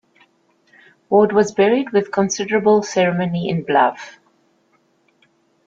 Ward was buried with considerable ceremony in Bluff.